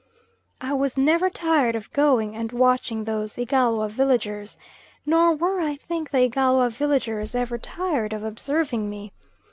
I was never tired of going and watching those Igalwa villagers, nor were, I think, the Igalwa villagers ever tired of observing me.